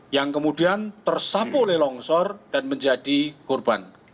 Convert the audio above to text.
yang kemudian tersapu oleh longsor dan menjadi korban